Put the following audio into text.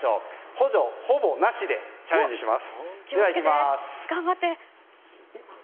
補助ほぼなしでチャレンジします。